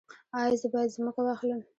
ایا زه باید ځمکه واخلم؟